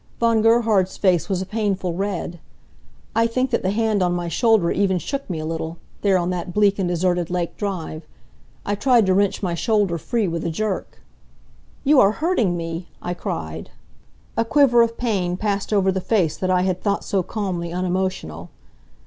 Von Gerhard's face was a painful red. I think that the hand on my shoulder even shook me a little, there on that bleak and deserted lake drive. I tried to wrench my shoulder free with a jerk. "You are hurting me!" I cried. A quiver of pain passed over the face that I had thought so calmly unemotional.